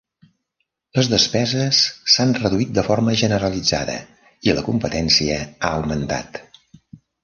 Les despeses s"han reduït de forma generalitzada i la competència ha augmentat.